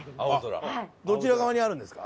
どちら側にあるんですか？